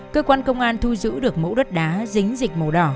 cơ quan công an thu giữ được mẫu đất đá dính dịch màu đỏ